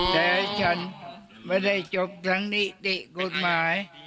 แต่ฉันไม่ได้จบทั้งนิติกฎหมาย